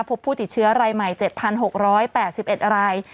พบผู้ติดเชื้อรายใหม่๗๖๘๑ราย